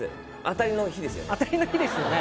当たりの日ですよね